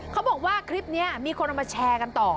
เขาบอกว่าคลิปนี้มีคนเอามาแชร์กันต่อ